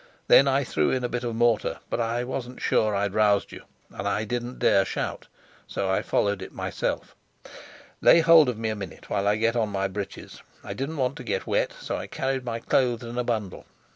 Then I threw in a bit of mortar, but I wasn't sure I'd roused you, and I didn't dare shout, so I followed it myself. Lay hold of me a minute while I get on my breeches: I didn't want to get wet, so I carried my clothes in a bundle.